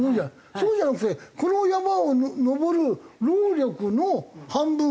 そうじゃなくてこの山を登る労力の半分が５合目。